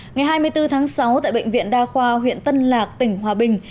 ngày hai mươi bốn tháng sáu tại bệnh viện đa khoa huyện tân lạc tỉnh hòa bình